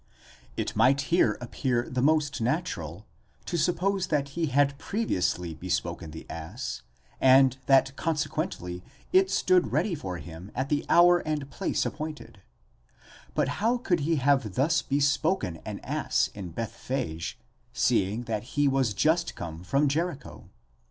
It might here appear the most natural, to suppose that he had previously bespoken the ass, and that consequently it stood ready for him at the hour and place appointed ; 1: but how could he have thus bespoken an ass in Beth phage, seeing that he was just come from Jericho?